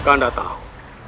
kak kandas tahu